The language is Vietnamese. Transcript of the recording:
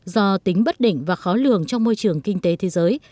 do tính bất định và khó lường trong môi trường kinh tế thế giới